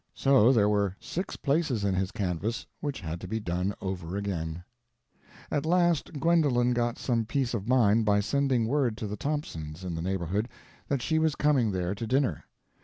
So there were six places in his canvas which had to be done over again. p210.jpg (23K) At last Gwendolen got some peace of mind by sending word to the Thompsons, in the neighborhood, that she was coming there to dinner.